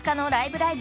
ライブ！」